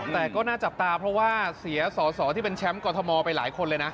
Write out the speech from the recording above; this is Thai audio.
แต่ก็น่าจับตาเพราะว่าเสียสอสอที่เป็นแชมป์กรทมไปหลายคนเลยนะ